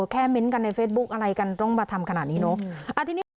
เม้นต์กันในเฟซบุ๊กอะไรกันต้องมาทำขนาดนี้เนอะ